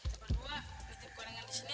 semua berkali kali hasil